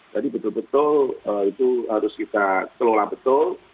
jadi betul betul itu harus kita kelola betul